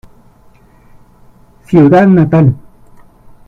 Ciudad Natal